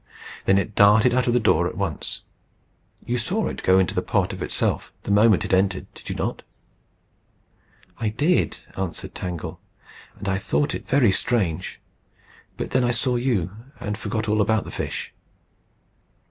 Then it darted out of the door at once. You saw it go into the pot of itself the moment it entered, did you not?" "I did," answered Tangle, "and I thought it very strange; but then I saw you, and forgot all about the fish."